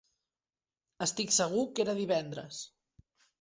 Estic segur que era divendres.